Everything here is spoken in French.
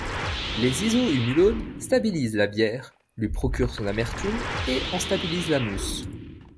Les isohumulones stabilisent la bière, lui procurent son amertume et en stabilisent la mousse.